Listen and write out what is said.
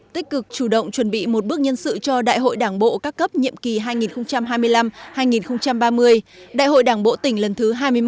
tích cực chủ động chuẩn bị một bước nhân sự cho đại hội đảng bộ các cấp nhiệm kỳ hai nghìn hai mươi năm hai nghìn ba mươi đại hội đảng bộ tỉnh lần thứ hai mươi một